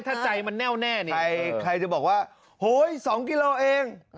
ถ้าใจมันแน่วแน่ใครจะบอกว่าโหสองกิโลเมตรเอง